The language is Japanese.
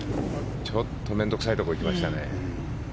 ちょっと面倒臭いところに行きましたね。